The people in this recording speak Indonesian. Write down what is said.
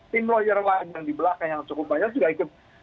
tim lawyer lain yang di belakang yang cukup banyak juga ikut